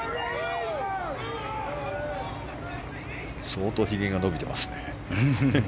相当、ひげが伸びてますね。